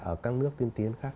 ở các nước tiên tiến khác